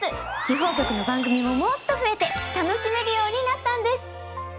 地方局の番組ももっと増えて楽しめるようになったんです。